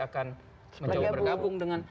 akan menjawab bergabung dengan